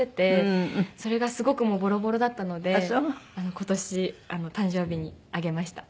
それがすごくもうボロボロだったので今年誕生日にあげました。